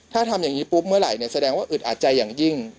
ถ้าทำอย่างนี้ปุ๊บเมื่อไหร่แสดงว่าอึดอัดใจอย่างยิ่ง